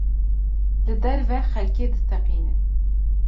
Li derve xelkê diteqînin.